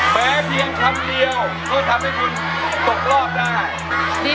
แม้เพียงทำรีวเขาทำให้ทิ้งตบรอบได้